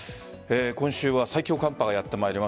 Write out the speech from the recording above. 今週は最強寒波がやって参ります。